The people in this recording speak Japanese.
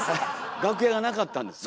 楽屋がなかったんですね。